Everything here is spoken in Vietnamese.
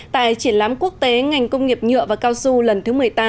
tại triển lãm quốc tế ngành công nghiệp nhựa và cao su lần thứ một mươi tám